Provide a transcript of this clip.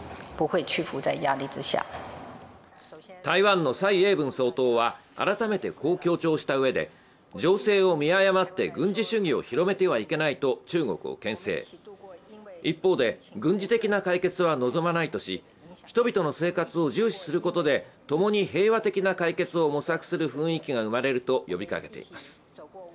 台湾の蔡英文総統は、改めてこう強調したうえで、情勢を見誤って軍事主義を広めてはいけないと中国をけん制、一方で軍事的な解決は望まないとし、人々の生活を重視することで共に平和的な解決を模索する雰囲気が生まれると呼びかけています。